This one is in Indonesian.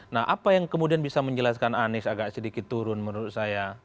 nah apa yang kemudian bisa menjelaskan anies agak sedikit turun menurut saya